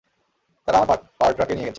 তারা আমার পার্টরাকে নিয়ে গেছে।